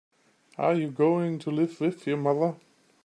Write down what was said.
Are you going to live with your mother?